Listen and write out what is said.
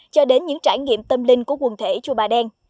cho đến những trải nghiệm tâm linh của quần thể chùa bà đen